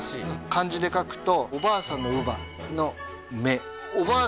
漢字で書くとおばあさんの姥の目おおー